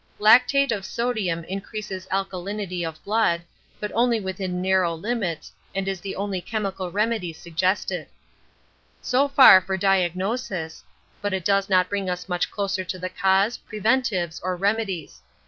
Lactate of sodium increases alkalinity of blood, but only within narrow limits, and is the only chemical remedy suggested. So far for diagnosis, but it does not bring us much closer to the cause, preventives, or remedies.